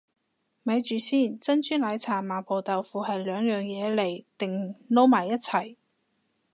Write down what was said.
咪住先，珍珠奶茶麻婆豆腐係兩樣嘢嚟定撈埋一齊